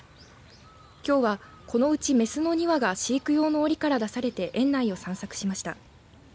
きょうは、このうちメスの２羽が飼育用のおりから出されて園内を散策しました。